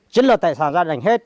chính là tài sản gia đình hết